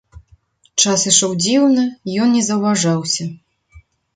Час ішоў дзіўна, ён не заўважаўся.